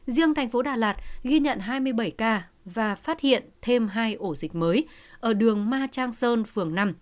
riêng tp hcm ghi nhận hai mươi bảy ca và phát hiện thêm hai ổ dịch mới ở đường ma trang sơn phường năm